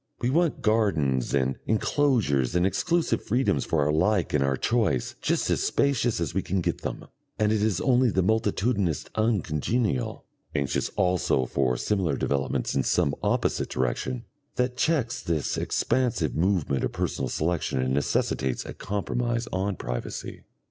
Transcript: We want gardens and enclosures and exclusive freedoms for our like and our choice, just as spacious as we can get them and it is only the multitudinous uncongenial, anxious also for similar developments in some opposite direction, that checks this expansive movement of personal selection and necessitates a compromise on privacy.